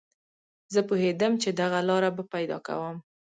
زه پوهېدم چې دغه لاره به پیدا کوم